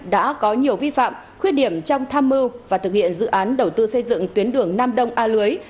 đã có nhiều vi phạm khuyết điểm trong tham mưu và thực hiện dự án đầu tư xây dựng tuyến đường nam đông a lưới